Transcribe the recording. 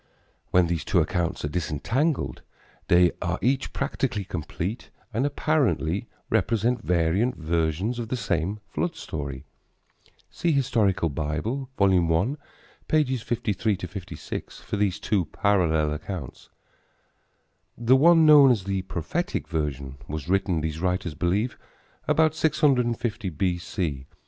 When these two accounts are disentangled, they are each practically complete and apparently represent variant versions of the same flood story. (See Hist. Bible, I, 53 56, for these two parallel accounts.) The one, known as the prophetic version, was written, these writers believe, about 650 B.C.